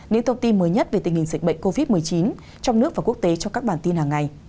những thông tin mới nhất về tình hình dịch bệnh covid một mươi chín trong nước và quốc tế trong các bản tin hàng ngày